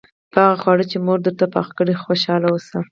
په هغه خواړو چې مور درته پاخه کړي خوشاله اوسه.